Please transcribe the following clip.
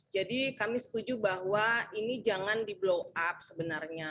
jadi kami setuju bahwa ini jangan di blow up sebenarnya